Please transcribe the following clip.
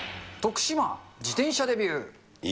徳島、自転車デビュー。